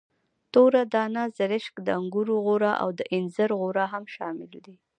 توره دانه، زرشک، د انګورو غوره او د انځرو غوره هم شامل دي.